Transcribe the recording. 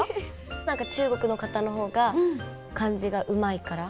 何か中国の方のほうが漢字がうまいから？